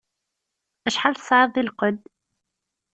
Acḥal tesɛiḍ di lqedd?